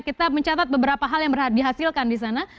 kita mencatat beberapa hal yang dihasilkan di sana